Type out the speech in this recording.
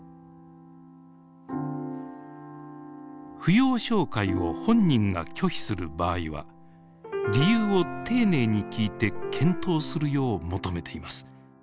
扶養照会を本人が拒否する場合は理由を丁寧に聞いて検討するよう求めています。